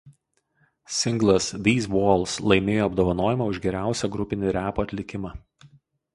Singlas „These Walls“ laimėjo apdovanojimą už geriausią grupinį repo atlikimą.